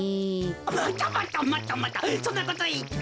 またまたまたまたそんなこといって。